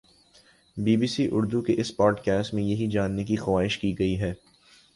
be B C Urdu کی اس podcast میں یہی جاننے کی کوشش کی گئی ہے